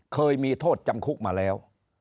เคยมีโทษจำคุกมาแล้ว